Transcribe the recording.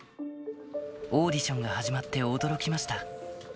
オーディションが始まって驚きました。